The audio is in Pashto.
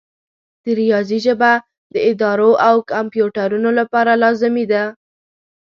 د ریاضي ژبه د ادارو او کمپیوټرونو لپاره لازمي ده.